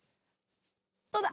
どうだ？